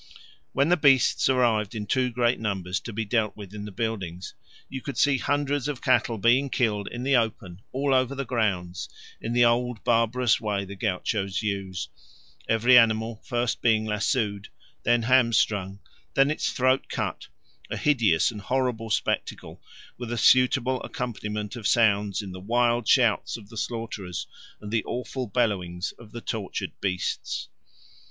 When the beasts arrived in too great numbers to be dealt with in the buildings, you could see hundreds of cattle being killed in the open all over the grounds in the old barbarous way the gauchos use, every animal being first lassoed, then hamstrung, then its throat cut a hideous and horrible spectacle, with a suitable accompaniment of sounds in the wild shouts of the slaughterers and the awful bellowings of the tortured beasts.